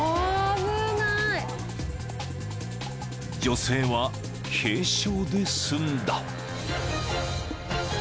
［女性は軽傷で済んだ］